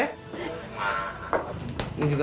nah ini juga